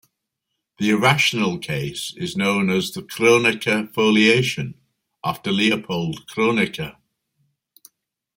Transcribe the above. The irrational case is known as the Kronecker foliation, after Leopold Kronecker.